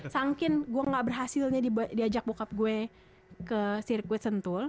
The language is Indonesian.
saking gue gak berhasilnya diajak bokap gue ke sirkuit sentul